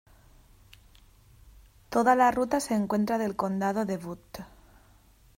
Toda la ruta se encuentra del condado de Butte.